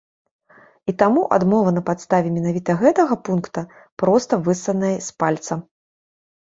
І таму адмова на падставе менавіта гэтага пункта проста выссаная з пальца.